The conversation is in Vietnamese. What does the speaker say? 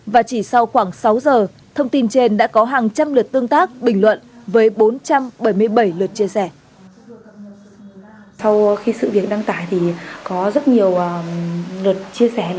và chỉ sau khoảng sáu giờ thông tin trên đã có hàng trăm lượt tương tác bình luận với bốn trăm bảy mươi bảy lượt chia sẻ